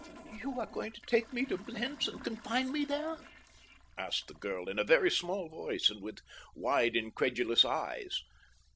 "You are going to take me to Blentz and confine me there?" asked the girl in a very small voice and with wide incredulous eyes.